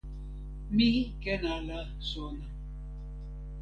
mi ken ala sona.